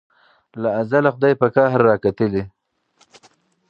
له ازله خدای په قهر را کتلي